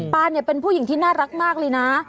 เป็นผู้หญิงที่น่ารักมากเลยนะ